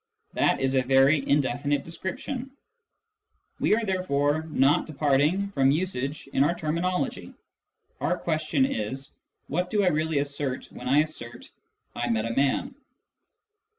" That is a very indefinite description." We are therefore not departing from usage in our terminology. Our question is : What do I really assert when I assert " I met a man